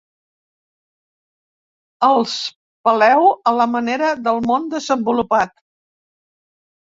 Els peleu a la manera del món desenvolupat.